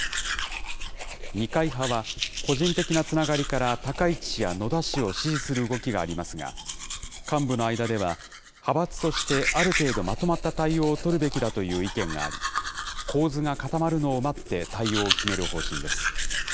二階派は、個人的なつながりから、高市氏や野田氏を支持する動きがありますが、幹部の間では、派閥としてある程度まとまった対応を取るべきだという意見があり、構図が固まるのを待って対応を決める方針です。